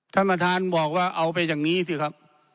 ท่านประธานบอกว่าเอาไปอย่างนี้สิครับ